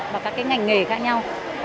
và các cái ngành nghề khác nhau